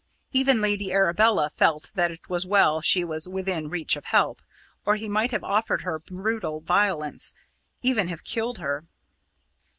Even Lady Arabella felt that it was well she was within reach of help, or he might have offered her brutal violence even have killed her.